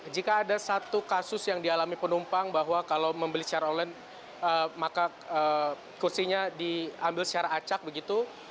jika ada satu kasus yang dialami penumpang bahwa kalau membeli secara online maka kursinya diambil secara acak begitu